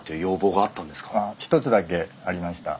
ああ一つだけありました。